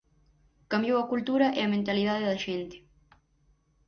Cambiou a cultura e a mentalidade da xente.